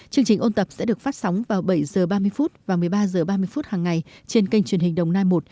chương trình ôn tập sẽ được phát sóng vào bảy h ba mươi và một mươi ba h ba mươi phút hàng ngày trên kênh truyền hình đồng nai một